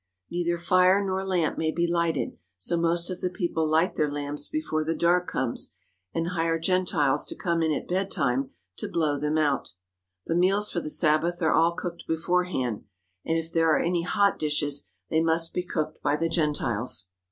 Neither fire nor lamp may be lighted, so most of the people light their lamps before the dark comes and hire Gentiles to come in at bed time to blow them out. The meals for the Sabbath are all cooked beforehand, and if there are any hot dishes they must be cooked by the Gentiles.